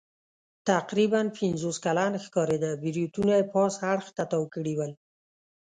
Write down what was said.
تقریباً پنځوس کلن ښکارېده، برېتونه یې پاس اړخ ته تاو کړي ول.